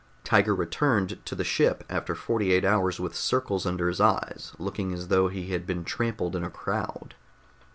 Tiger returned to the ship after forty eight hours with circles under his eyes, looking as though he had been trampled in a crowd.